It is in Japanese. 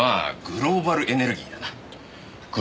グローバルエネルギー。